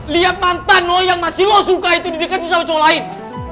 liat mantan lo yang masih lo suka itu di dekat rumah cowok lain